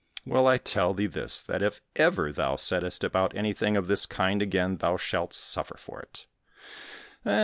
"Well, I tell thee this, that if ever thou settest about anything of this kind again thou shalt suffer for it!"